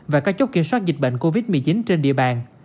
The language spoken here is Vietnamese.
và các chốt kiểm soát dịch bệnh covid một mươi chín trên địa bàn